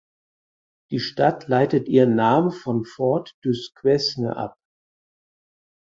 Die Stadt leitet ihren Namen von Fort Duquesne ab.